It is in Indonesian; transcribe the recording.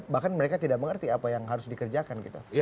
bahkan mereka tidak mengerti apa yang harus dikerjakan gitu